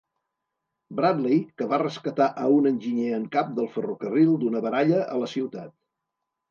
Bradley, que va rescatar a un enginyer en cap del ferrocarril d'una baralla a la ciutat.